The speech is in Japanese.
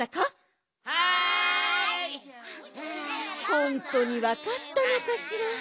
ほんとにわかったのかしら。